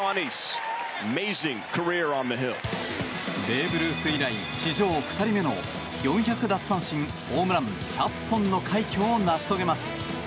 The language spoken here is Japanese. ベーブ・ルース以来史上２人目の４００奪三振ホームラン１００本の快挙を成し遂げます。